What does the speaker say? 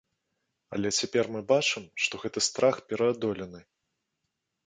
Але цяпер мы бачым, што гэты страх пераадолены.